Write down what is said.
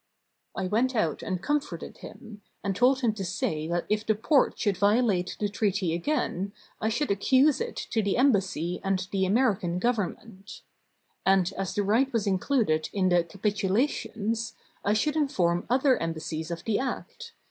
I went out and comforted him, and told him to say that if the Porte should violate the treaty again, I should ac cuse it to the embassy and the American Government. And, as the right was included in the "Capitulations," I should inform other embassies of the act.